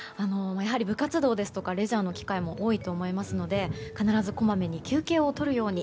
部活動ですとかレジャーの機会も多いと思いますので必ずこまめに休憩をとるように。